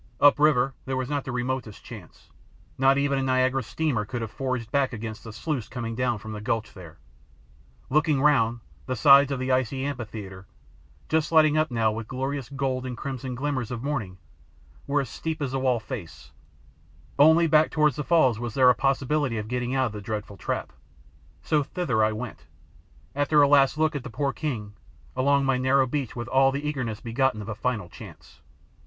Upriver there was not the remotest chance. Not even a Niagara steamer could have forged back against the sluice coming down from the gulch there. Looking round, the sides of the icy amphitheatre just lighting up now with glorious gold and crimson glimmers of morning were as steep as a wall face; only back towards the falls was there a possibility of getting out of the dreadful trap, so thither I went, after a last look at the poor old king, along my narrow beach with all the eagerness begotten of a final chance.